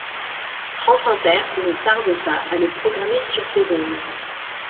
France Inter ne tarde pas à le programmer sur ses ondes.